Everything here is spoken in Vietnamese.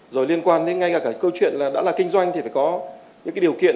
rồi liên quan đến ngay cả câu chuyện là đã là kinh doanh thì phải có những điều kiện